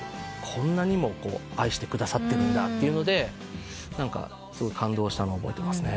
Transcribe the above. こんなにも愛してくださってるというのですごい感動したの覚えてます。